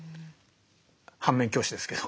反面教師ですけど。